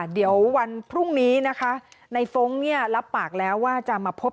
เดี๋ยววันพรุ่งนี้นะคะในฟ้องรับปากแล้วว่าจะมาพบ